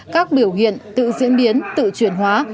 các biểu hiện tự diễn biến tự chuyển hóa